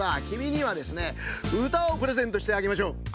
きみにはですねうたをプレゼントしてあげましょう。